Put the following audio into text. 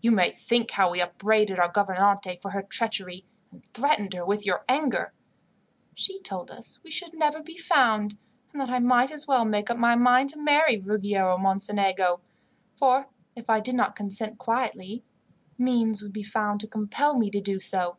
"You may think how we upbraided our gouvernante for her treachery, and threatened her with your anger. She told us we should never be found, and that I might as well make up my mind to marry Ruggiero Mocenigo, for if I did not consent quietly, means would be found to compel me to do so.